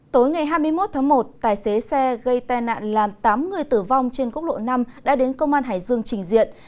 tối ngày hai mươi một tháng một tài xế xe gây tai nạn làm tám người tử vong trên quốc lộ năm đã đến công an hải dương trình diện